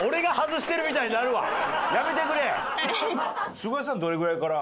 すがやさんはどれぐらいから？